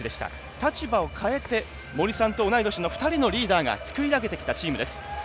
立場をかえて、森さんと同い年の２人のリーダーがつくり上げてきたチームです。